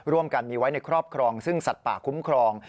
ร่วมกันมีไว้ในครอบครองซึ่งสัตว์ป่าคุ้มครอง